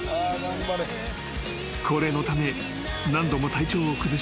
［高齢のため何度も体調を崩し